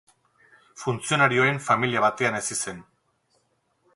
Funtzionarioen familia batean hezi zen.